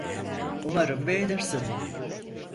Umarım beğenirsin.